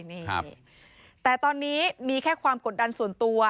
นี่ครับแต่ตอนนี้มีแค่ความกดดันส่วนตัว